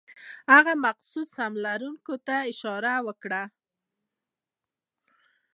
هغه مفسدو سهم لرونکو ته اشاره وکړه.